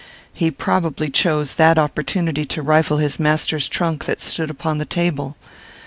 He probably chose that opportunity to rifle his master's trunk, that stood upon the table.